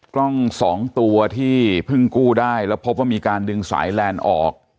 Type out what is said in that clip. กล้องสองตัวที่เพิ่งกู้ได้แล้วพบว่ามีการดึงสายแลนด์ออก